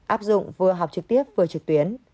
áp dụng vừa học trực tiếp vừa trực tuyến